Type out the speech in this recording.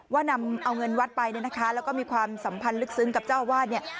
ว่านำเอาเงินวัดไปแล้วก็มีความสัมพันธ์ลึกซึ้งกับเจ้าอาวาส